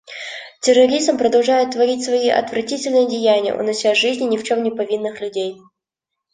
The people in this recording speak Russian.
Терроризм продолжает творить свои отвратительные деяния, унося жизни ни в чем не повинных людей.